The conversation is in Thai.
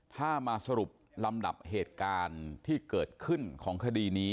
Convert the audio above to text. ถ้ามาสรุปลำดับเหตุการณ์ที่เกิดขึ้นของคดีนี้